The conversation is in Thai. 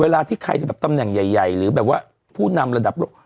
เวลาที่ใครจะแบบตำแหน่งใหญ่หรือแบบว่าผู้นำระดับโลก